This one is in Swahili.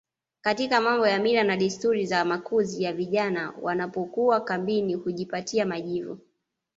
katika mambo ya mila na desturi za makuzi ya vijana Wanapokuwa kambini hujipaka majivu